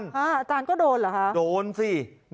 จานก็โดนเหรอครับโดนสิ